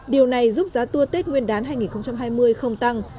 điều này giúp giá tour tết nguyên đán hai nghìn hai mươi không tăng